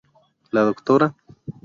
La Dra.